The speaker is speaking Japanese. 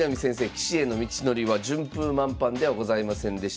棋士への道のりは順風満帆ではございませんでした。